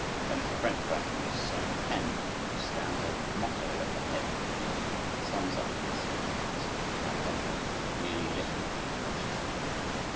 A little French poem from Liszt's own pen, which stands as motto at the head of this music, sums up its significance. I append a nearly literal translation.